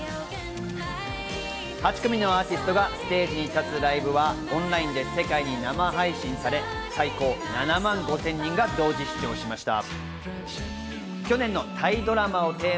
８組のアーティストがステージに立つライブはオンラインで世界に生配信され、最高７万５０００人が同時視聴しました。